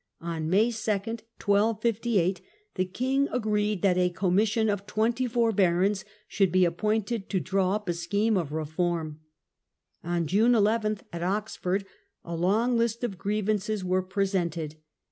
On May 2, 1258, the king agreed that a commission of twenty four barons should be appointed to draw up a scheme of re form. On June 11, at Oxford, a long list of grievances was presented.